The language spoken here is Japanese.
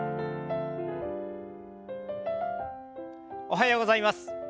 おはようございます。